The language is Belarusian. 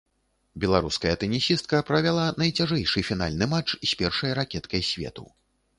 Беларуская тэнісістка правяла найцяжэйшы фінальны матч з першай ракеткай свету.